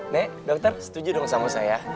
nek dokter setuju dong sama saya